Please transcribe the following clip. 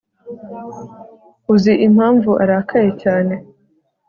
uzi impamvu arakaye cyane